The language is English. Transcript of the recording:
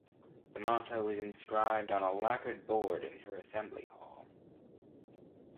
The motto is inscribed on a lacquered board in her assembly hall.